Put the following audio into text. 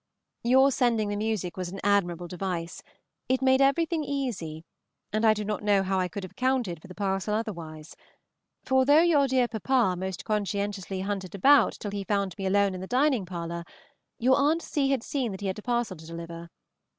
Your sending the music was an admirable device, it made everything easy, and I do not know how I could have accounted for the parcel otherwise; for though your dear papa most conscientiously hunted about till he found me alone in the dining parlor, your Aunt C. had seen that he had a parcel to deliver.